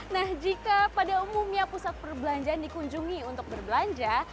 nah jika pada umumnya pusat perbelanjaan dikunjungi untuk berbelanja